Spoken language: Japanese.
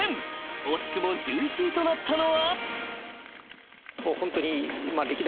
［惜しくも１１位となったのは］